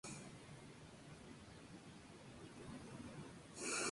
Zarina fue directora del Centro de Roma hasta mediados de los años noventa.